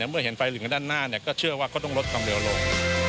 เมื่อเห็นไฟเหลืองด้านหน้าก็เชื่อว่าก็ต้องลดความเร็วลง